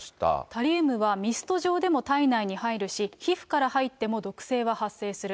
タリウムはミスト状でも体内に入るし、皮膚から入っても毒性は発生する。